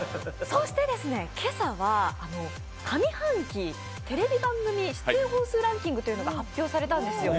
そして、今朝は上半期、テレビ番組出演本数ランキングが発表されたんです。